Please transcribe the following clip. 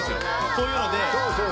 こういうので。